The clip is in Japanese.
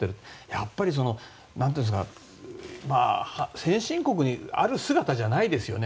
やっぱり、先進国にある姿じゃないですよね。